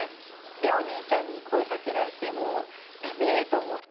でお兄ちゃんに声かけられてもうダメ！と思って。